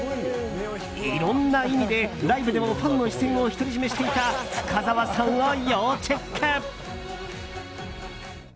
いろんな意味でライブでもファンの視線を独り占めしていた深澤さんを要チェック。